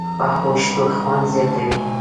پخو شتو خوند زیات وي